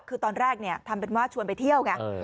คือตอนแรกทำเป็นว่าชวนไปเที่ยวไง